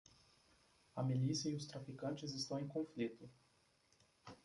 A milícia e os traficantes estão em conflito.